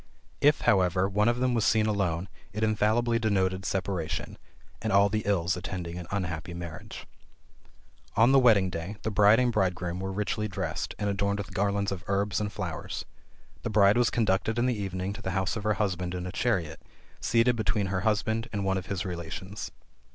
If, however, one of them was seen alone it infallibly denoted separation, and all the ills attending an unhappy marriage. On the wedding day, the bride and bridegroom were richly dressed, and adorned with garlands of herbs and flowers. The bride was conducted in the evening to the house of her husband in a chariot, seated between her husband and one of his relations.